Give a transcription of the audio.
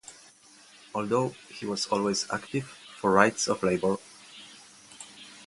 Although he was always active for rights of labour.